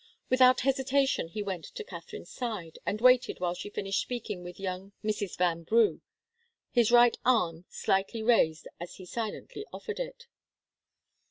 Without hesitation he went to Katharine's side, and waited while she finished speaking with young Mrs. Vanbrugh, his right arm slightly raised as he silently offered it.